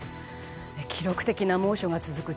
記録的な猛暑が続く